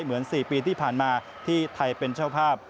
เหมือน๔ปีที่ผ่านมาที่ไทยเป็นเจ้าภาพ